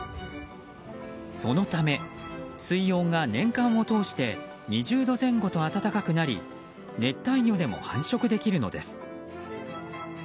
そのため、水温が年間を通して２０度前後と温かくなり熱帯魚でも繁殖できるのです。